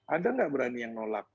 ada nggak berani yang nolak